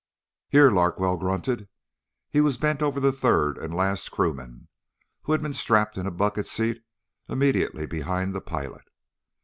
"Here," Larkwell grunted. He was bent over the third and last crewman, who had been strapped in a bucket seat immediately behind the pilot.